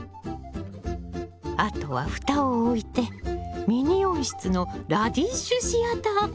あとは蓋を置いてミニ温室のラディッシュシアター完成！